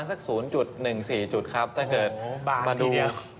ส่วน๐๑๔จุดครับถ้าเกิดมาดู